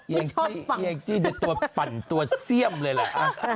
ไม่ชอบฝั่งยังไม่ตัวปั่นตัวเสี้ยมเลยแหละ